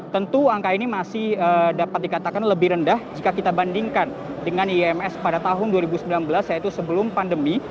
tentu angka ini masih dapat dikatakan lebih rendah jika kita bandingkan dengan ims pada tahun dua ribu sembilan belas yaitu sebelum pandemi